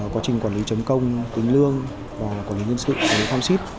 quá trình quản lý chấm công tính lương quản lý nhân sự quản lý tham xít